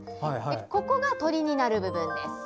ここが鳥になる部分です。